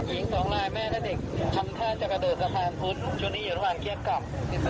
หญิงสองนายแม่และเด็กทำท่าจะกระโดดสะพานพุธช่วงนี้อยู่ระหว่างเคี้ยกลับ